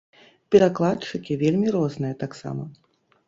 Перакладчыкі вельмі розныя таксама.